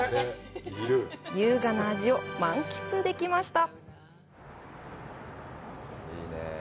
優雅な味を満喫できました。